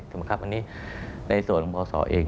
ถูกไหมครับอันนี้ในส่วนของพศเอง